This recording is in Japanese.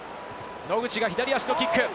野口が左足のキック。